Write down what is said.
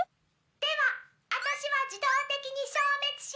ではあたしは自動的に消滅します。